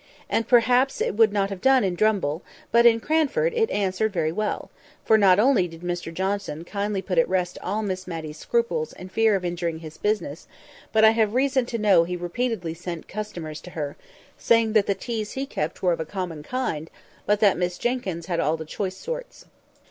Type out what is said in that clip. And, perhaps, it would not have done in Drumble, but in Cranford it answered very well; for not only did Mr Johnson kindly put at rest all Miss Matty's scruples and fear of injuring his business, but I have reason to know he repeatedly sent customers to her, saying that the teas he kept were of a common kind, but that Miss Jenkyns had all the choice sorts.